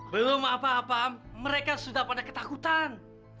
belum apa apa mereka sudah pada ketakutan